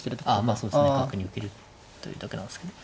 まあそうですね角に受けるというだけなんですけど。